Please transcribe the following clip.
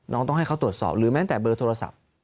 ต้องให้เขาตรวจสอบหรือแม้แต่เบอร์โทรศัพท์